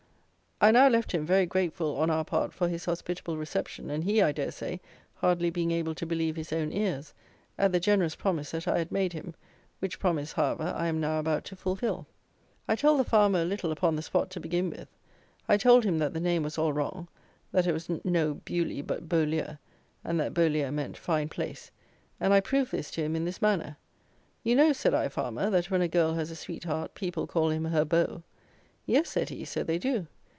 I now left him, very grateful on our part for his hospitable reception, and he, I dare say, hardly being able to believe his own ears, at the generous promise that I had made him, which promise, however, I am now about to fulfil. I told the farmer a little, upon the spot, to begin with. I told him that the name was all wrong: that it was no Beuley but Beaulieu; and that Beaulieu meant fine place; and I proved this to him, in this manner. You know, said I, farmer, that when a girl has a sweet heart, people call him her beau? Yes, said he, so they do.